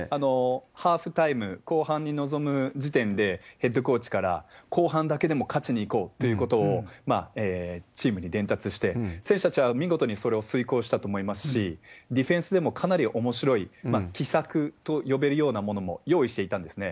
ハーフタイム、後半に臨む時点で、ヘッドコーチから、後半だけでも勝ちにいこうということをチームに伝達して、選手たちは見事にそれを遂行したと思いますし、ディフェンスでもかなりおもしろい、奇策と呼べるようなものも用意していたんですね。